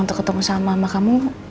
untuk ketemu sama kamu